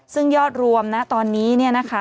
ซึ่งยอดรวมนะตอนนี้นะฮะ